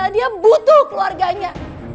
dia butuh keluarganya